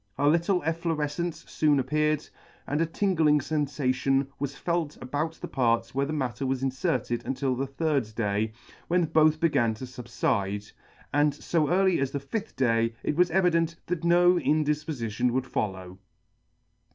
A little efflorefcence foon appeared, and a tingling fenfation was felt about the parts where the matter was inferted until the third day, when both began to fubfide, and fo early as the fifth day it was evident that no indifpofition would follow.